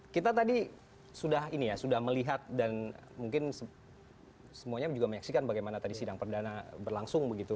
kita tadi sudah melihat dan mungkin semuanya juga menyaksikan bagaimana tadi sidang perdana berlangsung